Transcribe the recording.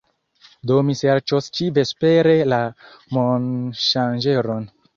Do mi serĉos ĉi-vespere la monŝanĝeron